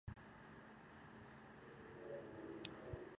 Peyameke spasiyê ji bo piştevevanên zimanê kurdî.